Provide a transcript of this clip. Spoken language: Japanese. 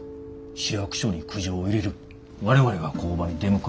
市役所に苦情を入れる我々が工場に出向く。